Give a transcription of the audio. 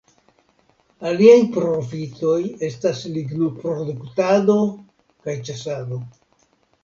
Aliaj profitoi estas lignoproduktado kaj ĉasado.